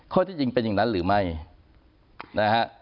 ข้อที่จริงเป็นอย่างนั้นหรือไม่นะฮะ